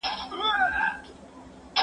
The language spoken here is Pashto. ور شریک یې په زګېروي په اندېښنې سو